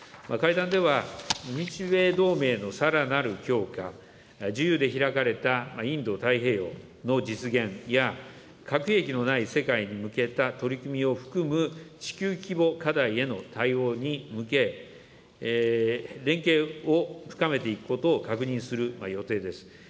会談では、日米同盟のさらなる強化、自由で開かれたインド太平洋の実現や、核兵器のない世界に向けた取り組みを含む地球規模課題への対応に向け、連携を深めていくことを確認する予定です。